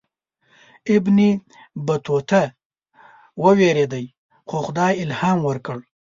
ابن بطوطه ووېرېدی خو خدای الهام ورکړ.